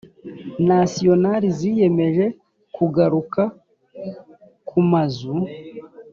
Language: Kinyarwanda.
nationale ziyemeje kugaruka kumazu